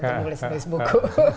untuk menulis buku